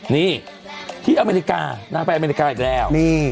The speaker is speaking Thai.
นี่ที่อเมริกานางไปอเมริกาอีกแล้ว